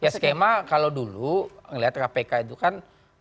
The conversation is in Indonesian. ya skema kalau dulu ngelihat kpk itu kan